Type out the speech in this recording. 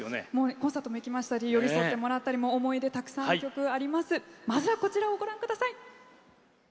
コンサートも行きましたし寄り添ってもらった思い出、たくさんの曲あります。